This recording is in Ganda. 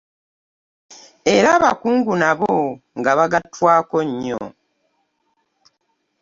Era abakungu nabo nga bagattwako nnyo.